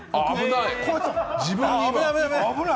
危ない！